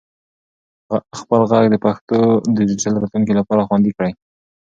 خپل ږغ د پښتو د ډیجیټل راتلونکي لپاره خوندي کړئ.